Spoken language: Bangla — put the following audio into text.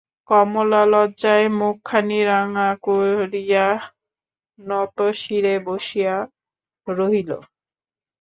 কমলা লজ্জায় মুখখানি রাঙা করিয়া নতশিরে বসিয়া রহিল।